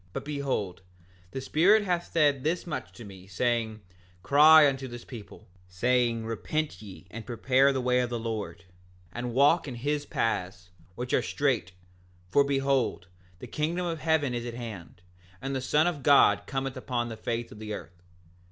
7:9 But behold, the Spirit hath said this much unto me, saying: Cry unto this people, saying—Repent ye, and prepare the way of the Lord, and walk in his paths, which are straight; for behold, the kingdom of heaven is at hand, and the Son of God cometh upon the face of the earth.